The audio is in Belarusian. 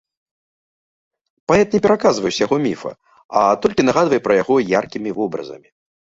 Паэт не пераказвае ўсяго міфа, а толькі нагадвае пра яго яркімі вобразамі.